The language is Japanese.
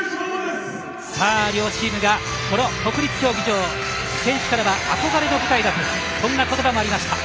両チームが、この国立競技場選手からは憧れの舞台だという言葉もありました。